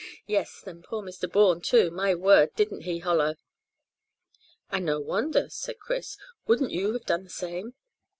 Yes, and poor Mr Bourne too. My word, didn't he holloa!" "And no wonder," said Chris. "Wouldn't you have done the same?"